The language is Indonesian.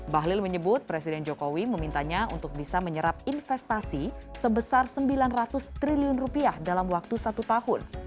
bahlil menyebut presiden jokowi memintanya untuk bisa menyerap investasi sebesar sembilan ratus triliun rupiah dalam waktu satu tahun